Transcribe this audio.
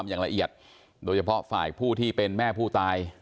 อย่างละเอียดโดยเฉพาะฝ่ายผู้ที่เป็นแม่ผู้ตาย